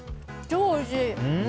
超おいしい！